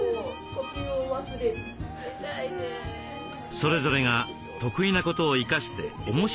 それぞれが得意なことを生かして面白いことをしよう。